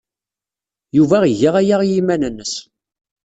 Yuba iga aya i yiman-nnes.